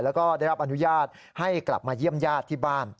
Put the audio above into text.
แล้วก็ได้รับอนุญาตให้กลับมาเยี่ยมญาติที่บ้าน